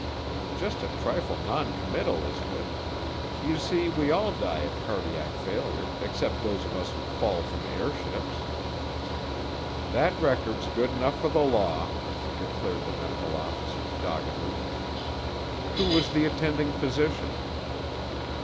"Just a trifle non committal, isn't it? You see, we all die of cardiac failure, except those of us who fall from air ships." "That record's good enough for the law," declared the medical officer doggedly. "Who was the attending physician?"